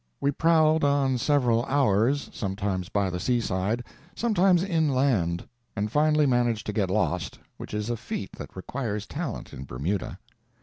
We prowled on several hours, sometimes by the seaside, sometimes inland, and finally managed to get lost, which is a feat that requires talent in Bermuda.